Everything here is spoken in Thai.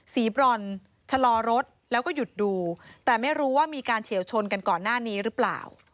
บรอนชะลอรถแล้วก็หยุดดูแต่ไม่รู้ว่ามีการเฉียวชนกันก่อนหน้านี้หรือเปล่า